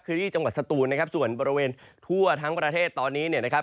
คือที่จังหวัดสตูนนะครับส่วนบริเวณทั่วทั้งประเทศตอนนี้เนี่ยนะครับ